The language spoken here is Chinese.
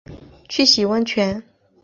去洗温泉